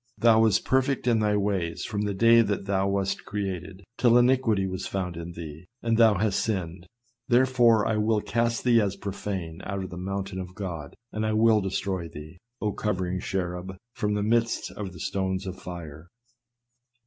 Thou wast perfect in thy ways from the day that thou wast created, till iniquity was found in thee, and thou hast sinned ; therefore, I will cast thee as profane out of the mountain of God : and I will destroy thee, O covering cherub, from the midst of the stones of fire."